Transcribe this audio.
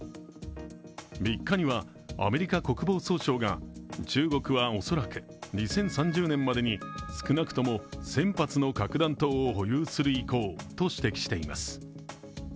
３日にはアメリカ国防総省が中国は恐らく２０３０年までに少なくとも１０００発の核弾頭を保有する意向と指摘しています。